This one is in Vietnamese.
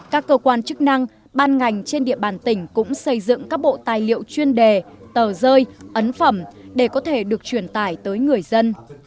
các cơ quan chức năng ban ngành trên địa bàn tỉnh cũng xây dựng các bộ tài liệu chuyên đề tờ rơi ấn phẩm để có thể được truyền tải tới người dân